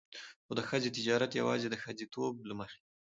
خو د ښځې تجارت يواځې د ښځېتوب له مخې.